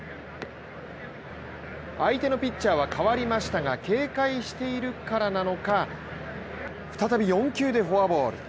相手のピッチャーは代わりましたが、警戒しているからなのか再び４球でフォアボール。